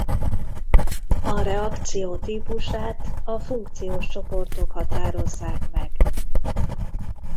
A reakció típusát a funkciós csoportok határozzák meg.